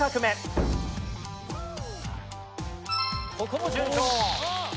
ここも順調。